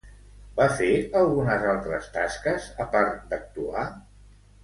Va fer algunes altres tasques, a part d'actuar?